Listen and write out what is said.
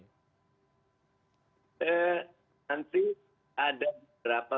nanti ada beberapa